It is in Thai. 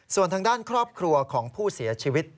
ส่วนทางด้านครอบครัวของผู้เสียชีวิต